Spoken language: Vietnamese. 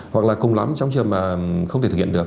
hoặc là cùng lắm trong trường mà không thể thực hiện được